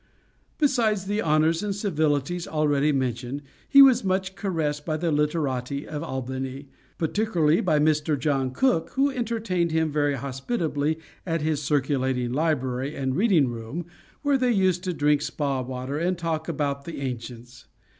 Besides the honors and civilities already mentioned, he was much caressed by the literati of Albany; particularly by Mr. John Cook, who entertained him very hospitably at his circulating library and reading room, where they used to drink Spa water, and talk about the ancients.